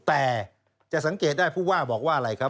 แต่จะสังเกตได้ผู้ว่าบอกว่าอะไรครับ